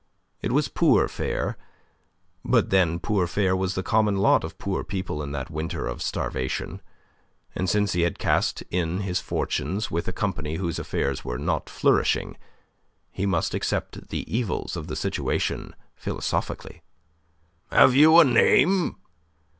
It was poor fare, but then poor fare was the common lot of poor people in that winter of starvation, and since he had cast in his fortunes with a company whose affairs were not flourishing, he must accept the evils of the situation philosophically. "Have you a name?"